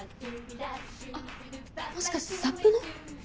あっもしかしてサップの？